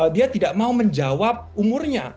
dia tidak mau menjawab umurnya